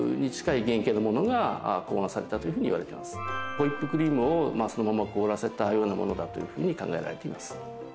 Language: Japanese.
ホイップクリームをそのまま凍らせたようなものだというふうに考えられています